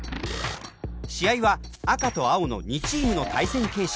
試合は赤と青の２チームの対戦形式。